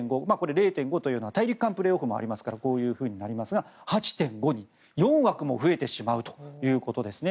０．５というのは大陸間プレーオフもありますからこういうふうになりますが８．５に４枠も増えてしまうということですね。